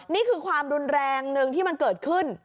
นี่คือความรุนแรงหนึ่งที่มันเกิดขึ้น